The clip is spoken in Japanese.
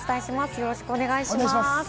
よろしくお願いします。